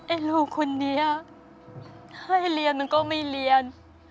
ลูกคนนี้ให้เรียนมันก็ไม่เรียน